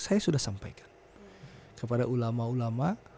saya sudah sampaikan kepada ulama ulama